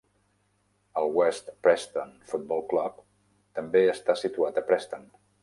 El West Preston Football Club també està situat a Preston.